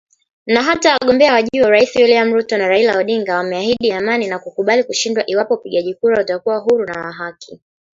Na hata wagombea wa juu wa urais William Ruto na Raila Odinga wameahidi amani – na kukubali kushindwa iwapo upigaji kura utakuwa huru na wa haki.